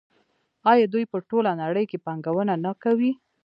آیا دوی په ټوله نړۍ کې پانګونه نه کوي؟